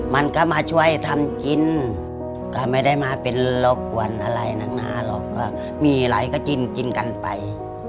มันก็มาช่วยทำกินก็ไม่ได้มาเป็นรบกวนอะไรนักหนาหรอกก็มีอะไรก็กินกินกันไป